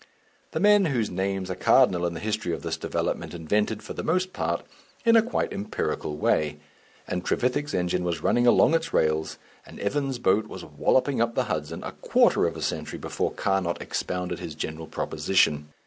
The men whose names are cardinal in the history of this development invented, for the most part, in a quite empirical way, and Trevithick's engine was running along its rails and Evan's boat was walloping up the Hudson a quarter of a century before Carnot expounded his general proposition.